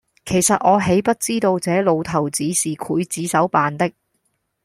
其實我豈不知道這老頭子是劊子手扮的！